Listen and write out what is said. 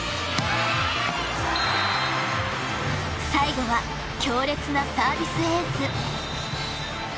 最後は強烈なサービスエース。